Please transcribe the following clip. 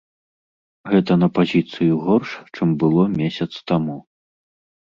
Гэта на пазіцыю горш, чым было месяц таму.